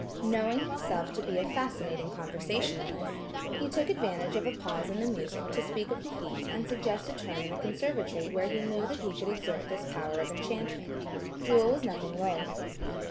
Knowing himself to be a fascinating conversationalist, he took advantage of a pause in the music to speak of the heat and suggest a turn in the conservatory where he knew that he could exert this power of enchantment. Jewel was nothing loth.